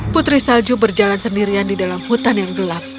putri salju berjalan sendirian di dalam hutan yang gelap